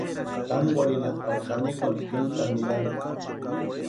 Tankwarhinhatʼi pari janikwani pʼintani nirani.